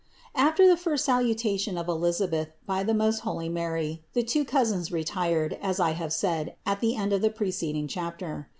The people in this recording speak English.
216. After the first salutation of Elisabeth by the most holy Mary, the two cousins retired, as I have said at the end of the preceding chapter.